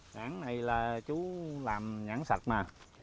nhãn này là chú làm nhãn sạch mà